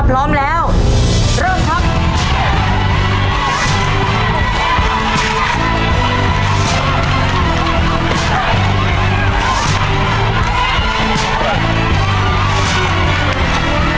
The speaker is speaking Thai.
พร้อมแล้วเริ่มครับ